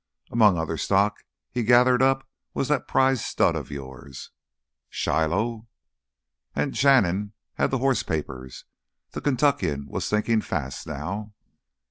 Among other stock he gathered up was that prize stud of yours." "Shiloh!" And Shannon had the horse papers! The Kentuckian was thinking fast now.